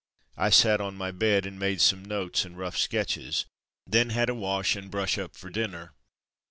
I sat on my bed and made some notes and rough sketches, then had a wash and brush up for dinner.